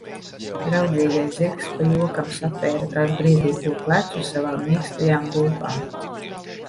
Draudzīgais zirgs pa jokam satvēra tās briedīgo plecu savām mīkstajām lūpām.